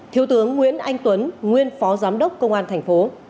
thiếu tướng nguyễn anh tuấn nguyên phó giám đốc công an tp